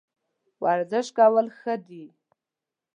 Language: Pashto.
ورزش کول ښه دي